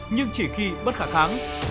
nhưng chỉ khi bất khả kháng